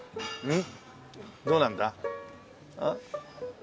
ん？